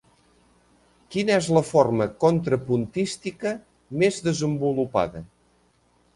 Quina és la forma contrapuntística més desenvolupada?